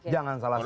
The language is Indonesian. jangan salah satu